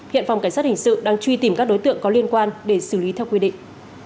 hiện phòng cảnh sát hình sự đang truy tìm các đối tượng có liên quan để xử lý theo quy định